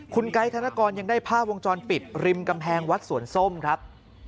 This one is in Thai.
คุณไกด์ธนกรยังได้ภาพวงจรปิดริมกำแพงวัดสวนส้มครับ